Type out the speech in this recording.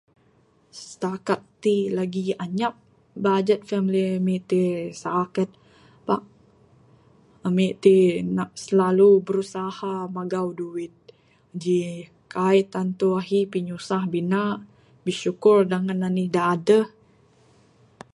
Stakat tik, lagik anyap baget famili amik ti. Saket pak ami tik nak slalu berusaha magau duit. Ji kai tentu ahi pinyusah binak. Bisyukur dengan anih da aduh.